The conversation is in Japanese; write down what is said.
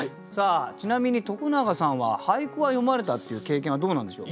ちなみに徳永さんは俳句は詠まれたっていう経験はどうなんでしょう？